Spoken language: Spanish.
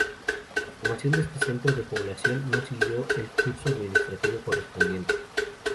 La formación de este centro de población no siguió el curso administrativo correspondiente.